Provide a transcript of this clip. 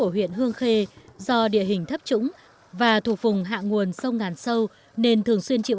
phường bốn quận gòi